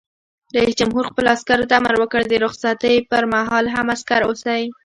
رئیس جمهور خپلو عسکرو ته امر وکړ؛ د رخصتۍ پر مهال هم، عسکر اوسئ!